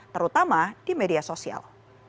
terutama di media sosial